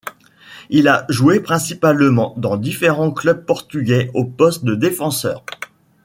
Il a joué principalement dans différents clubs portugais au poste de défenseur.